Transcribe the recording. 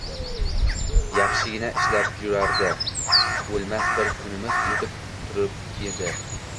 Yaxshig‘ina ishlab jurardi, o‘lmas bir kunimiz o‘tib turib edi